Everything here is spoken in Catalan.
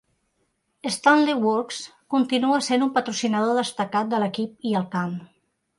Stanley Works continua sent un patrocinador destacat de l'equip i el camp.